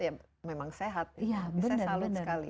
saya salut sekali bagi mereka yang punya dedikasi